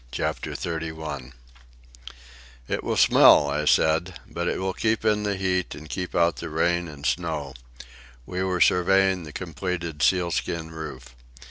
CHAPTER XXXI "It will smell," I said, "but it will keep in the heat and keep out the rain and snow." We were surveying the completed seal skin roof.